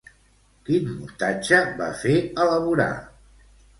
Quin muntatge va fer elaborar?